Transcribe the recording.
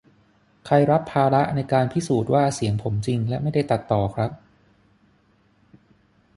ใครรับภาระในการพิสูจน์ว่าเสียงผมจริงและไม่ได้ตัดต่อครับ